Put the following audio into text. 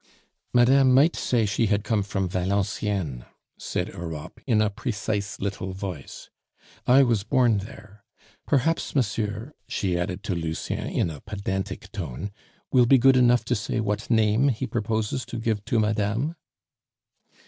"Madame might say she had come from Valenciennes," said Europe in a precise little voice. "I was born there Perhaps monsieur," she added to Lucien in a pedantic tone, "will be good enough to say what name he proposes to give to madame?"